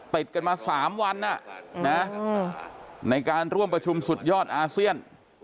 ติดกันมา๓วันในการร่วมประชุมสุดยอดอาเซียน